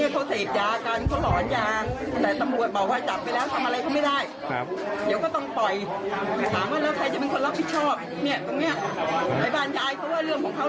เพราะว่าแจ้งทุกครั้งวันนี้เค้าเสพยากันเค้าหลอนอย่าง